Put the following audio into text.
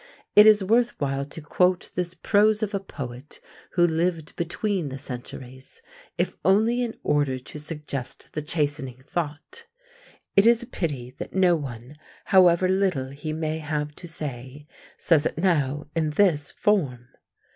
It is worth while to quote this prose of a "poet" who lived between the centuries, if only in order to suggest the chastening thought, "It is a pity that no one, however little he may have to say, says it now in this form!"